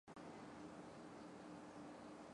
他现在效力于德甲球队沃尔夫斯堡。